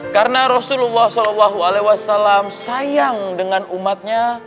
karena rasulullah saw sayang dengan umatnya